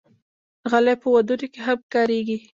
غالۍ په ودونو کې هم کارېږي.